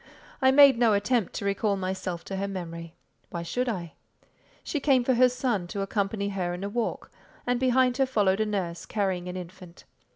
I made no attempt to recall myself to her memory; why should I? She came for her son to accompany her in a walk, and behind her followed a nurse, carrying an infant.